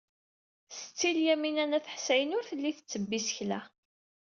Setti Lyamina n At Ḥsayen ur telli tettebbi isekla.